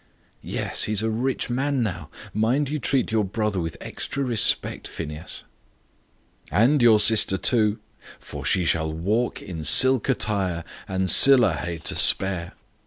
"Yes, he is a rich man now mind you treat your brother with extra respect, Phineas." "And your sister too. 'For she sall walk in silk attire, And siller hae to spare.'